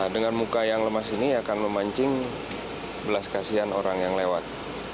dengan muka yang lemas ini akan memancing belas kasihan orang yang lewat